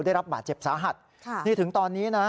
ได้รับบาดเจ็บสาหัสถึงตอนนี้นะ